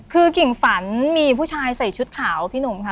คือกิ่งฝันมีผู้ชายใส่ชุดขาวพี่หนุ่มค่ะ